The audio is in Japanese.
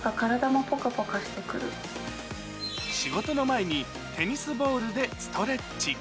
仕事の前にテニスボールでス